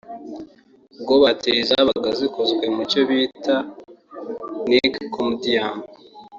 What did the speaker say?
ubwo batiri zabaga zikozwe mu cyo bita Nickel Camdium